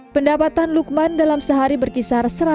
pendapatan lukman dalam sehari berkisar